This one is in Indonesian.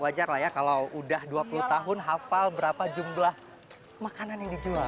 wajar lah ya kalau udah dua puluh tahun hafal berapa jumlah makanan yang dijual